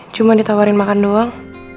cuma ditawarin makan doang